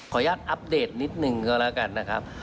อนุญาตอัปเดตนิดนึงก็แล้วกันนะครับ